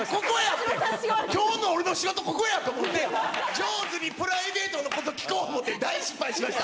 って、きょうの俺の仕事、ここやと思って、上手にプライベートのこと聞こう思うて、大失敗しました。